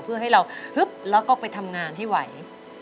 เพื่อให้เราฮึบแล้วก็ไปทำงานให้ไหว